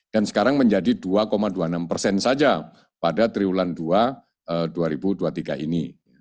dan sekarang menjadi dua dua puluh enam persen saja pada triwulan dua dua ribu dua puluh tiga ini